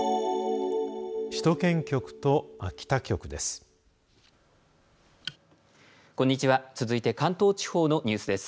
首都圏局と秋田局です。